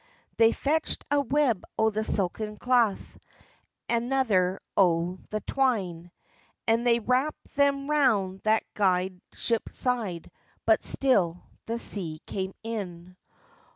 They fetchd a web o the silken claith, Another o the twine, And they wapped them roun that gude ship's side But still the sea came in.